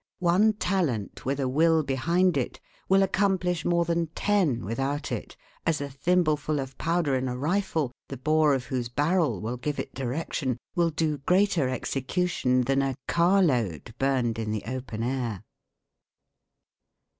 One talent with a will behind it will accomplish more than ten without it, as a thimbleful of powder in a rifle, the bore of whose barrel will give it direction, will do greater execution than a carload burned in the open air.